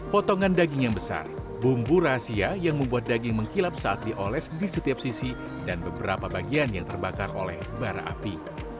potongan daging yang besar bumbu rahasia yang membuat daging mengkilap saat dioles di setiap sisi dan beberapa bagian yang terbakar oleh bara api